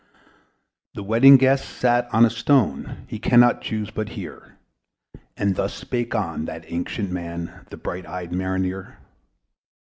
The Wedding Guest sat on a stone: He cannot chuse but hear; And thus spake on that ancient man, The bright eyed Mariner.